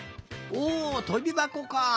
おとびばこかあ。